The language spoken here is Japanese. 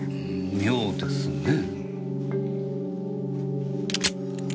妙ですね？